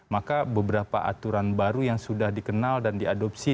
maka beberapa aturan baru yang sudah dikenal dan diadopsi